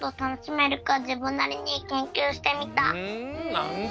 なんだ！